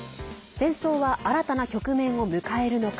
戦争は新たな局面を迎えるのか。